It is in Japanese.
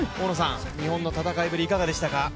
日本の戦いぶりいかがでしたか。